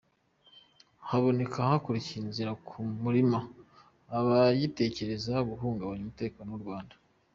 Kaboneka yakuriye inzira ku murima abagitekereza guhungabanya umutekano w’u Rwanda.